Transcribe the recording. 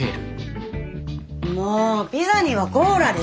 もうピザにはコーラでしょ！